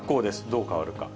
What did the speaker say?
どう変わるか。